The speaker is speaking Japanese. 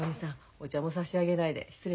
お茶も差し上げないで失礼しました。